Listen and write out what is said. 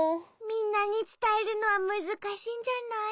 みんなにつたえるのはむずかしいんじゃない？